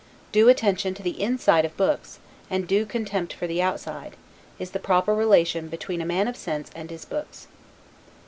Due attention to the inside of books, and due contempt for the outside, is the proper relation between a man of sense and his books.